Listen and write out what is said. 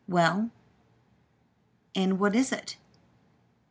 "Well, and what is it?